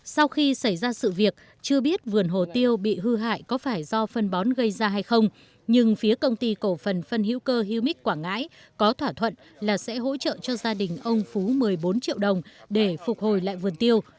sau khi xảy ra sự việc chưa biết vườn hồ tiêu bị hư hại có phải do phân bón gây ra hay không nhưng phía công ty cổ phần phân hữu cơ humic quảng ngãi có thỏa thuận là sẽ hỗ trợ cho gia đình ông phú một mươi bốn triệu đồng để phục hồi lại vườn tiêu